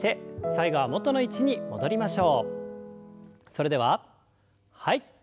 それでははい。